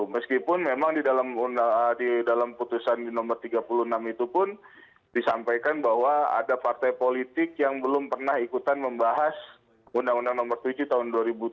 meskipun memang di dalam putusan nomor tiga puluh enam itu pun disampaikan bahwa ada partai politik yang belum pernah ikutan membahas undang undang nomor tujuh tahun dua ribu tujuh belas